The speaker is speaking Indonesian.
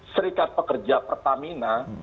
serikat pekerja pertamina